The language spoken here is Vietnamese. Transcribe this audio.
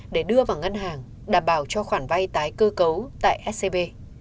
để đưa vào ngân hàng đảm bảo cho khoản vay tái cơ cấu tại scb